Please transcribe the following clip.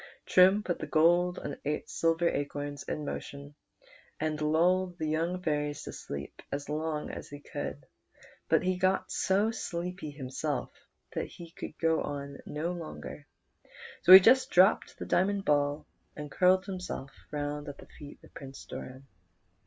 Trim put the gold and silver acorns in motion, and lulled the young fairies to sleep as long as he could ; but he got so sleepy himself that he could go on no longer, so he just dropped the diamond ball, and curled himself round at the feet of Prince Doran.